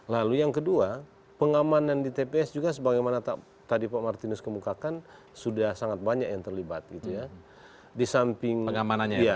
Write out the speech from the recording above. lalu yang kedua pengamanan di tps juga sebagaimana tadi pak martinus kemukakan sudah sangat banyak yang terlibat gitu ya